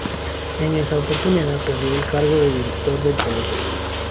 En esa oportunidad perdió el cargo de director del Colegio.